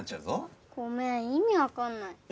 ごめん意味わかんない。